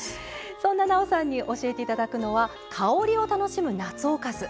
そんななおさんに教えていただくのは「香りを楽しむ夏おかず」です。